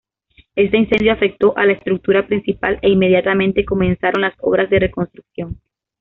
Este incendio afectó a la estructura principal, e inmediatamente comenzaron las obras de reconstrucción.